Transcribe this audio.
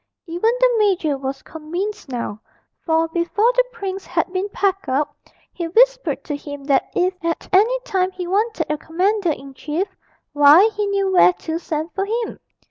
Even the major was convinced now, for, before the prince had been packed up, he whispered to him that if at any time he wanted a commander in chief, why, he knew where to send for him.